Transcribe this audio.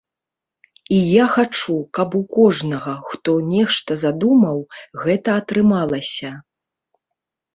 І я хачу, каб у кожнага, хто нешта задумаў, гэта атрымалася.